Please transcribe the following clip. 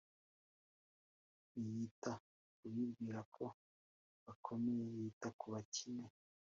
Ntiyita ku bibwira ko bakomeye yita kubacyene